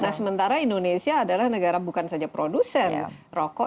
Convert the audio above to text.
nah sementara indonesia adalah negara bukan saja produsen rokok